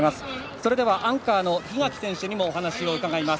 それではアンカーの檜垣選手にもお話を伺います。